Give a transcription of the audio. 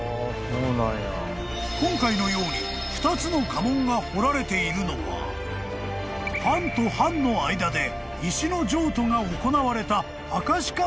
［今回のように２つの家紋が彫られているのは藩と藩の間で石の譲渡が行われた証しかもしれないとのこと］